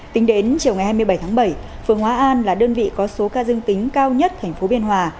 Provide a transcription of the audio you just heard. tính đến chiều ngày hai mươi bảy tháng bảy phường hóa an là đơn vị có số ca dương tính cao nhất thành phố biên hòa